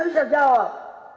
nggak bisa jawab